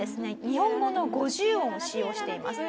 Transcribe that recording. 日本語の５０音を使用しています。